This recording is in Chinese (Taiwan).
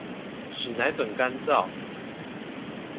使奶粉乾燥